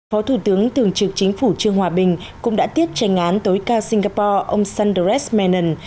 phó thủ tướng tường trực chính phủ trương hòa bình cũng đã tiết tranh án tối cao singapore ông sundares menon